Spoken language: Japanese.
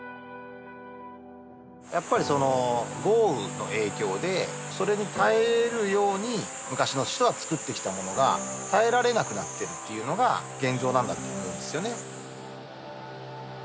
やっぱりその豪雨の影響でそれに耐えうるように昔の人が作ってきたものが耐えられなくなってるっていうのが現状なんだって思うんですよね。